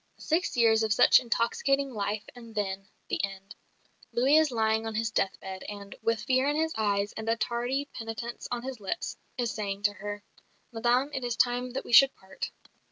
Six years of such intoxicating life and then the end. Louis is lying on his death bed and, with fear in his eyes and a tardy penitence on his lips, is saying to her, "Madame, it is time that we should part."